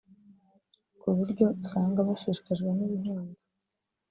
ku buryo usanga bashishikajwe n’ubuhinzi